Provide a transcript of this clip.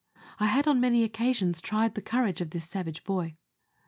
I had on many oc casions tried the courage of this savage boy.